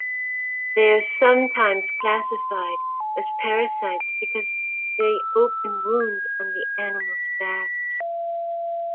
They are sometimes classified as parasites, because they open wounds on the animals' backs.